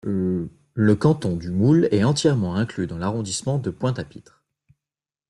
Le canton du Moule est entièrement inclus dans l'arrondissement de Pointe-à-Pitre.